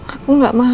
aku gak mau